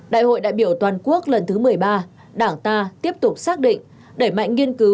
đại hội đại biểu toàn quốc lần thứ một mươi ba đảng ta tiếp tục xác định đẩy mạnh nghiên cứu